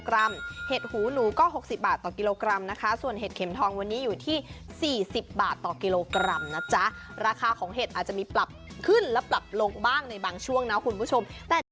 กรัมเห็ดหูหนูก็๖๐บาทต่อกิโลกรัมนะคะส่วนเห็ดเข็มทองวันนี้อยู่ที่๔๐บาทต่อกิโลกรัมนะจ๊ะราคาของเห็ดอาจจะมีปรับขึ้นและปรับลงบ้างในบางช่วงนะคุณผู้ชมแต่จะ